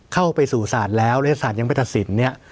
เข้าไปสู่ศาลแล้วแล้วศาลยังไม่ตัดสินเนี่ย